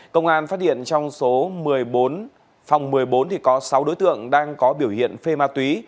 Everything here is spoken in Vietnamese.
công an phát hiện trong số một mươi bốn phòng một mươi bốn có sáu đối tượng đang có biểu hiện phê ma túy